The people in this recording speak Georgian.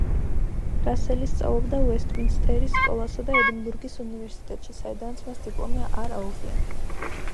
რასელი სწავლობდა უესტმინსტერის სკოლასა და ედინბურგის უნივერსიტეტში, საიდანაც მას დიპლომი არ აუღია.